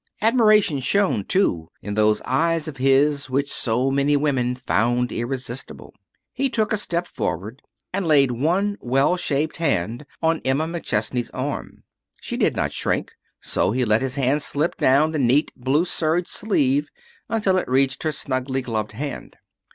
Admiration shone, too, in those eyes of his which so many women found irresistible. He took a step forward and laid one well shaped hand on Emma McChesney's arm. She did not shrink, so he let his hand slip down the neat blue serge sleeve until it reached her snugly gloved hand.